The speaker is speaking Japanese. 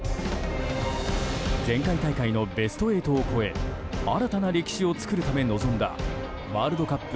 前回大会のベスト８を超え新たな歴史を作るため臨んだワールドカップ